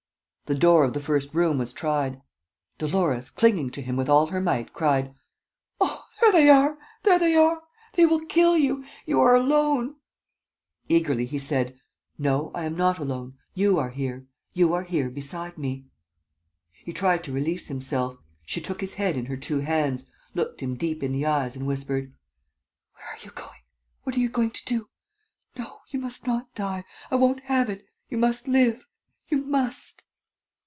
The door of the first room was tried. Dolores, clinging to him with all her might, cried: "Oh, there they are! There they are! ... They will kill you ... you are alone! ..." Eagerly, he said: "No, I am not alone. ... You are here. ... You are here beside me. ..." He tried to release himself. She took his head in her two hands, looked him deep in the eyes and whispered: "Where are you going? What are you going to do? No ... you must not die. ... I won't have it ... you must live ... you must."